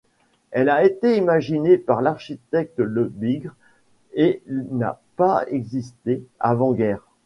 Elle a été imaginée par l'architecte Lebigre, et n'a pas existé avant-guerre.